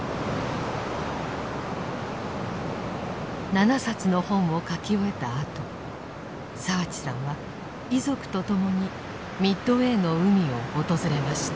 ７冊の本を書き終えたあと澤地さんは遺族と共にミッドウェーの海を訪れました。